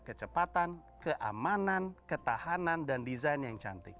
kecepatan keamanan ketahanan dan desain yang cantik